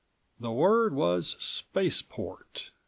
The word was "spaceport."